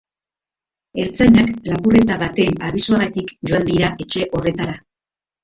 Ertzainak lapurreta baten abisuagatik joan dira etxe horretara.